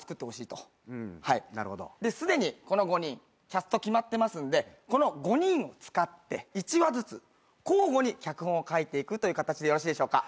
キャスト決まってますんでこの５人を使って１話ずつ交互に脚本を書いていくという形でよろしいでしょうか？